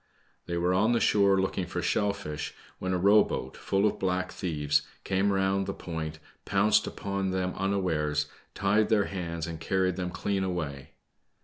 ,.'' They were on the shore looking for shell fish, when a^ow boat, full of blaclf thieves, came round the point, pounced upon them unawares, tied their hands, and carried them cle^n away.